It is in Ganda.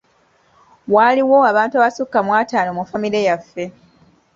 Waliwo abantu abasukka mu ataano mu famire yaffe.